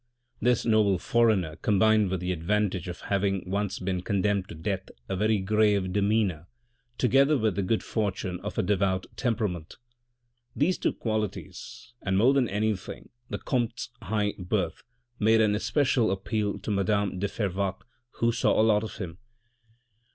This noble foreigner combined with the advantage of having once been condemned to death a very grave demeanour together with the good fortune of a devout temperament ; these two qualities, and more than anything, the comte's high birth, made an especial appeal to madame de Fervaques who saw a lot of him.